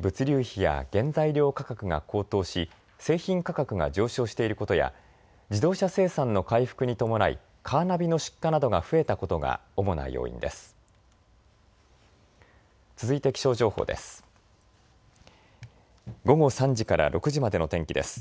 物流費や原材料価格が高騰し製品価格が上昇していることや自動車生産の回復に伴いカーナビの出荷などが増えたことが主な要因です。